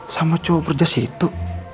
sama cowok berjas itu